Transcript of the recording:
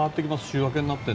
週明けになって。